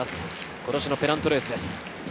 今年のペナントレースです。